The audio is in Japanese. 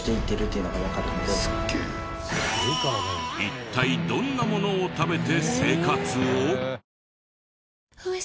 一体どんなものを食べて生活を？